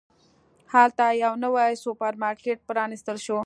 هلته یو نوی سوپرمارکېټ پرانستل شو.